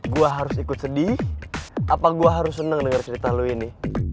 gue harus ikut sedih apa gue harus seneng denger cerita lo ini